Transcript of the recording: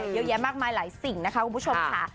เยอะแยะมากมายหลายสิ่งนะคะคุณผู้ชมค่ะ